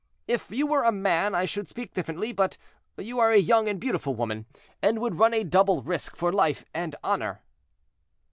If you were a man I should speak differently; but you are a young and beautiful woman, and would run a double risk for life and honor."